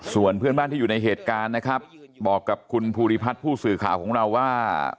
ส่วนเพื่อนบ้านที่อยู่ในเหตุการณ์นะครับบอกกับคุณภูริพัฒน์ผู้สื่อข่าวของเราว่า